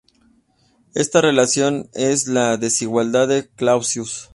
Esta relación es la "desigualdad de Clausius".